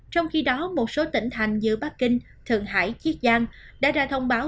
trong khi đó một số tỉnh thành như bắc kinh thượng hải chiết giang đã ra thông báo